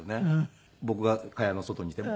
僕が蚊帳の外にいても。